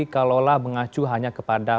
kalaulah mengacu hanya kepada